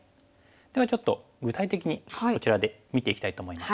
ではちょっと具体的にこちらで見ていきたいと思います。